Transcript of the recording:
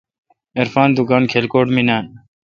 عرفان دکان کھلکوٹ می نان۔